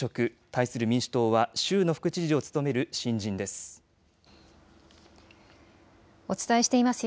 対する民主党は州の副知事を務める新人です。